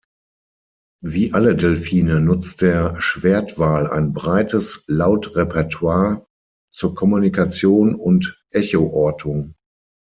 Wie alle Delfine nutzt der Schwertwal ein breites Lautrepertoire zur Kommunikation und Echoortung.